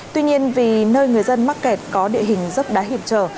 tuy nhiên vì nơi người dân mắc kẹt có địa hình dốc đá hiểm trở